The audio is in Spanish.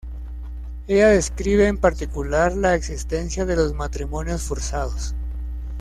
Ella describe en particular la existencia de los matrimonios forzados.